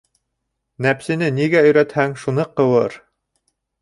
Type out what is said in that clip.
Нәпсене нигә өйрәтһәң, шуны ҡыуыр.